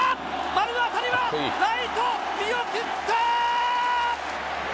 丸の当たりは、ライト、見送った！